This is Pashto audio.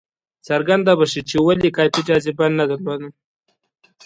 څرګنده به شي چې ولې کافي جاذبه نه درلوده.